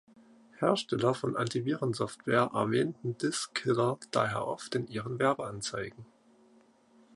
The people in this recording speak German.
Hersteller von Antivirensoftware erwähnten Disk Killer daher oft in ihren Werbeanzeigen.